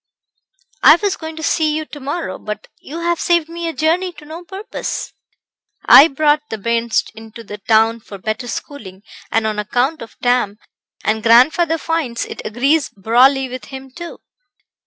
I was going to see you to morrow, but you have saved me a journey to no purpose." "I brought the bairns into the town for better schooling, and on account of Tam; and grandfather finds it agrees brawly with him, too.